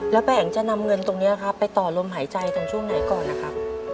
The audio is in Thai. แล้วป้าแอ๋งจะนำเงินตรงนี้ครับไปต่อลมหายใจตรงช่วงไหนก่อนนะครับ